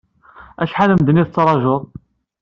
Acḥal n medden i tettraǧuḍ?